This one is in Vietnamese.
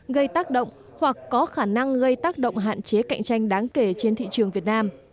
gây tác động hoặc có khả năng gây tác động hạn chế cạnh tranh đáng kể trên thị trường việt nam